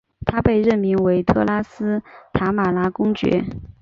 他被任命为特拉斯塔马拉公爵。